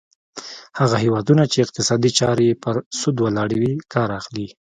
هغه هیوادونه چې اقتصادي چارې یې پر سود ولاړې وي کار اخلي.